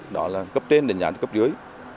đó là cấp trên đánh giá cấp dưới